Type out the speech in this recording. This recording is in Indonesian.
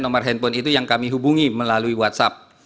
nomor handphone itu yang kami hubungi melalui whatsapp